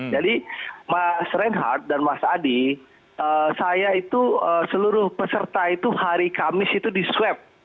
jadi mas reinhardt dan mas adi saya itu seluruh peserta itu hari kamis itu di sweep